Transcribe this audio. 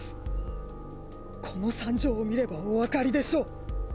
この惨状を見ればおわかりでしょう。